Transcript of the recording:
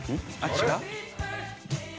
違う。